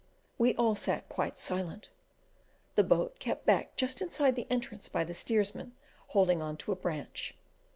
We all sat quite silent, the boat kept back just inside the entrance by the steersman holding on to a branch.